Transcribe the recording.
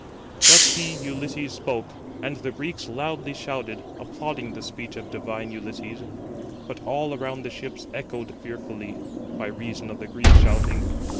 Thus he [Ulysses] spoke, and the Greeks loudly shouted, applauding the speech of divine Ulysses; but all around the ships echoed fearfully, by reason of the Greeks shouting.